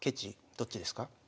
どっちですか？